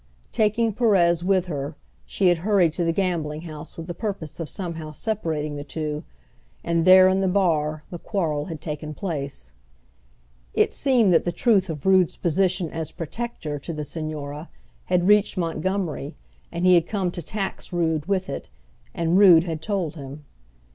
Taking Perez with her, she had hurried to the gambling house with the purpose of somehow separating the two, and there in the bar the quarrel had taken place. It seemed that the truth of Rood's position as "protector" to the Señora had reached Montgomery, and he had come to tax Rood with it, and Rood had told him.